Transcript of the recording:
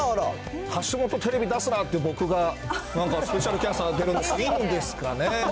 橋下、テレビ出すなっていう僕が、なんかスペシャルキャスターやるの、いいんですかね。